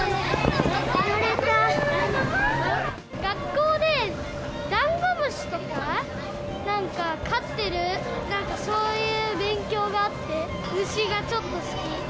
学校でダンゴムシとか、なんか飼ってる、なんかそういう勉強があって、虫がちょっと好き。